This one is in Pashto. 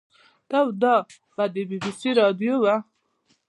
ته وا دا به د بي بي سي راډيو وه.